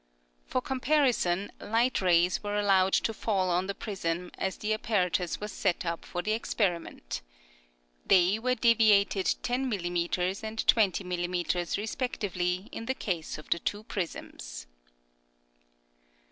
For comparison, light rays were allowed to fall on the prism as the apparatus was set up for the experi ment. They were deviated 10 mm. and 20 mm. respectively in the case of the two prisms.